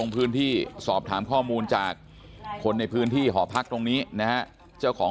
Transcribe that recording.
พื้นที่สอบถามข้อมูลจากคนในพื้นที่หอพักตรงนี้นะฮะเจ้าของ